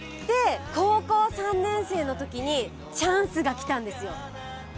で高校３年生のときにチャンスが来たんですよ。